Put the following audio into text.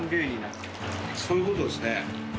そういう事ですね。